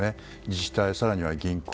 自治体、更には銀行。